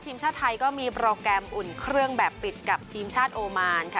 ทีมชาติไทยก็มีโปรแกรมอุ่นเครื่องแบบปิดกับทีมชาติโอมานค่ะ